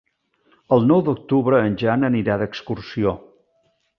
El nou d'octubre en Jan anirà d'excursió.